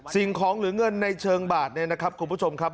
สิ่งของหรือเงินในเชิงบาทเนี่ยนะครับคุณผู้ชมครับ